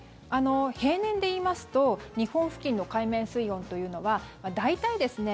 平年で言いますと日本付近の海面水温というのは大体ですね